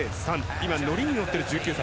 今、ノリに乗っている１９歳。